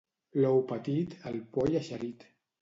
L'ou petit, el poll eixerit.